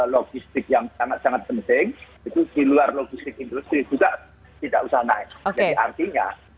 logistik yang sangat sangat penting itu di luar logistik industri juga tidak usah naik jadi artinya